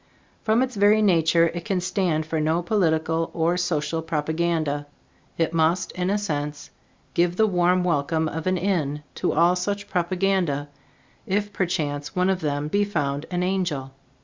From its very nature it can stand for no political or social propaganda. It must, in a sense, give the warm welcome of an inn to all such propaganda, if perchance one of them be found an angel.